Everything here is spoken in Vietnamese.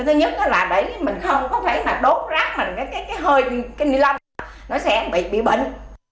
thứ nhất là để mình không có phải là đốt rác mình cái hơi cái nì lâm nó sẽ bị bệnh